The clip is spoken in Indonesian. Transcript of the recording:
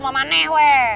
eh gimana sih